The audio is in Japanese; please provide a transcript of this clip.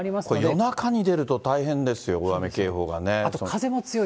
夜中に出ると大変ですよ、大雨警報がね。